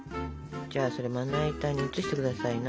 じゃあそれまな板に移して下さいな。